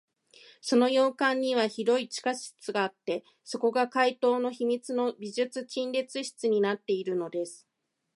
その洋館には広い地下室があって、そこが怪盗の秘密の美術陳列室になっているのです。